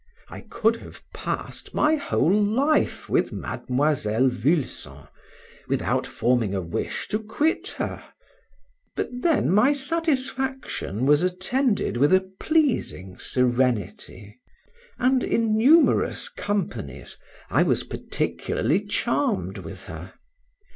I could have passed my whole life with Miss Vulson, without forming a wish to quit her; but then, my satisfaction was attended with a pleasing serenity; and, in numerous companies, I was particularly charmed with her.